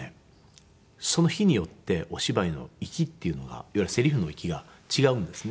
その日によってお芝居の息っていうのがいわゆるセリフの息が違うんですね